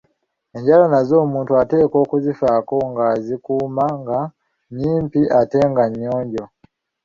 Enjala nazo omuntu ateekwa okuzifaako nga azikuuma nga nnyimpi ate nga nnyonjo.